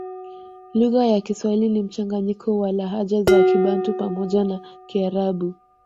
Lugha ya Kiswahili ni mchanganyiko wa lahaja za kibantu pamoja na kiarabu